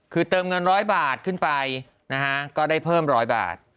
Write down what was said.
คือเติมเงิน๑๐๐บาทขึ้นไปนะฮะก็ได้เพิ่มร้อยบาท